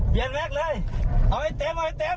เปลี่ยนแม็กซ์เลยเอาไว้เต็มเอาไว้เต็ม